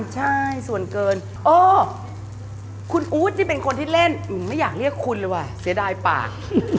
ใช่ส่วนเกินอ้อคุณอู๊ดนี่เป็นคนที่เล่นไม่อยากเรียกคุณเลยว่ะเสียดายปาก